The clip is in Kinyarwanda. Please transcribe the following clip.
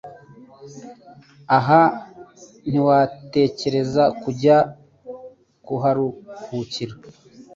Aha ntiwatekereza kujya kuharuhukira